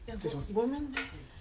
ごめんね。